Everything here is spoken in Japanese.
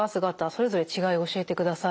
それぞれ違い教えてください。